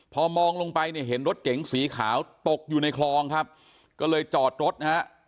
พอมองลงไปเนี่ยเห็นรถเก๋งสีขาวตกอยู่ในคลองครับก็เลยจอดรถนะฮะ